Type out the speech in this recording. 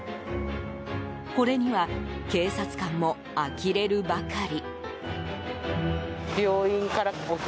これには警察官もあきれるばかり。